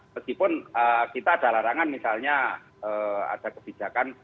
meskipun kita ada larangan misalnya ada kebijakan